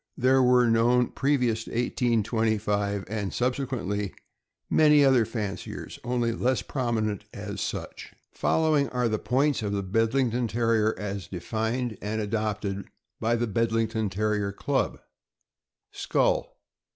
There were known previous to 1825, and sub sequently, many other fanciers, only less prominent as such. Following are the points of the Bedlington Terrier as defined and adopted by the Bedlington Terrier Club: Skull.